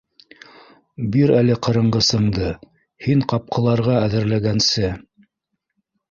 Бир әле ҡырынғысыңды, һин ҡапҡыларға әҙерләгәнсе